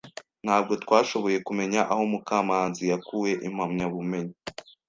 Ntabwo twashoboye kumenya aho Mukamanzi yakuye impamyabumenyi.